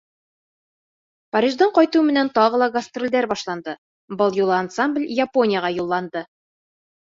Париждан ҡайтыу менән тағы ла гастролдәр башланды — был юлы ансамбль Японияға юлланды.